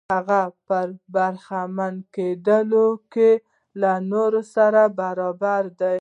هغه په برخمن کېدو کې له نورو سره برابر دی.